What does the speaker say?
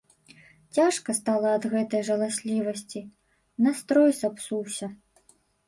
Цяжка стала ад гэтай жаласлівасці, настрой сапсуўся.